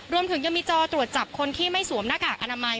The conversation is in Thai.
รวมถึงยังมีจอตรวจจับคนที่ไม่สวมหน้ากากอนามัย